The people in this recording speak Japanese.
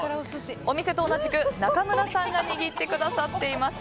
お店と同じく中村さんが握ってくださっています。